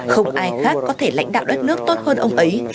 không ai khác có thể lãnh đạo đất nước tốt hơn ông ấy